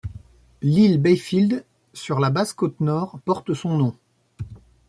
L'île Bayfield, sur la Basse-Côte-Nord, porte son nom.